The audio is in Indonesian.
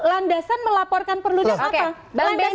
landasan melaporkan perludem apa